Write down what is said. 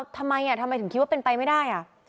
ทำไมทำไมถึงคิดว่าเป็นไปไม่ได้